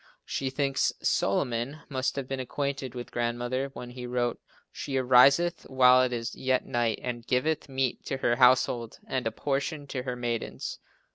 She thinks Solomon must have been acquainted with Grandmother when he wrote "She ariseth while it is yet night and giveth meat to her household and a portion to her maidens."